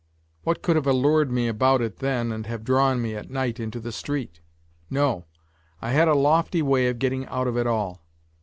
What could have allured me about it then and have drawn me at night into the street ? No, I had a lofty way of getting out of it all.